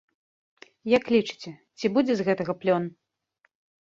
Як лічыце, ці будзе з гэтага плён?